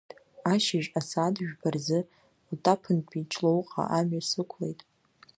Ашьыжь асааҭ жәба рзы Отаԥынтәи Ҷлоуҟа амҩа сықәлеит.